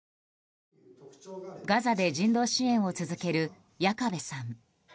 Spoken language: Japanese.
ガザで人道支援を続ける矢加部さん。